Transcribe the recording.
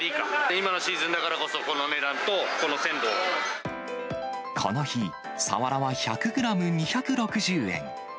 今のシーズンだからこそ、この値この日、サワラは１００グラム２６０円。